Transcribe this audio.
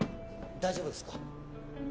大丈夫ですか？